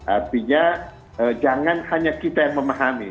artinya jangan hanya kita yang memahami